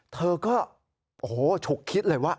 เธอก็โอ้โหฉุกคิดเลยว่า